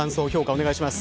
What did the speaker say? お願いします。